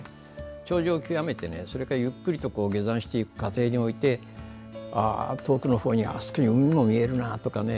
頂上を極めてゆっくりと下山していく過程においてああ、遠くのほうに海も見えるなとかね。